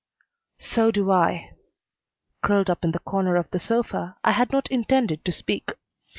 "So do I." Curled up in the corner of the sofa, I had not intended to speak.